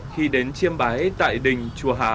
khi đến chiêm bái tại đình chùa hà